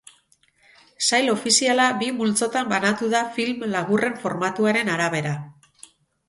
Sail ofiziala bi multzotan banatu da film laburren formatuaren arabera.